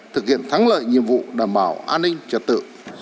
thực hiện thắng lợi nhiệm vụ đảm bảo an ninh trật tự